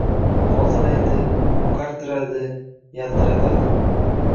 Tozalaydi, oqartiradi, yaltiratadi